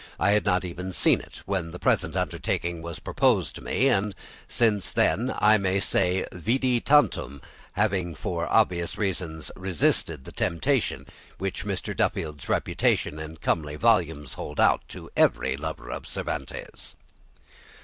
I had not even seen it when the present undertaking was proposed to me, and since then I may say vidi tantum, having for obvious reasons resisted the temptation which Mr. Duffield's reputation and comely volumes hold out to every lover of Cervantes.